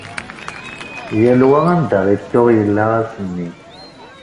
Yal wa anda i t-tuɣ yella ass-nni.